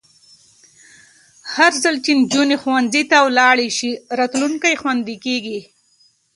هرځل چې نجونې ښوونځي ته ولاړې شي، راتلونکی خوندي کېږي.